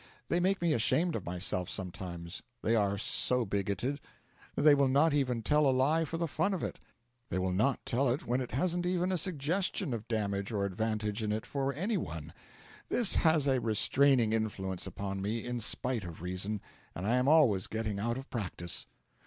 They make me ashamed of myself sometimes, they are so bigoted. They will not even tell a lie for the fun of it; they will not tell it when it hasn't even a suggestion of damage or advantage in it for any one. This has a restraining influence upon me in spite of reason, and I am always getting out of practice.